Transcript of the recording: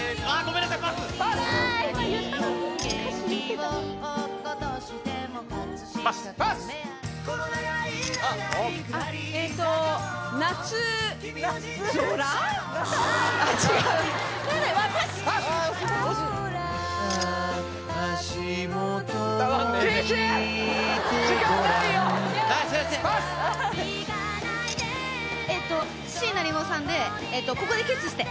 何処にだって椎名林檎さんで「ここでキスして。」